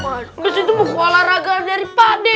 abis itu muka olahraga dari pade